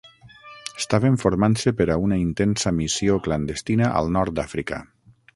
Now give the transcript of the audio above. Estaven formant-se per a una intensa missió clandestina al nord d'Àfrica.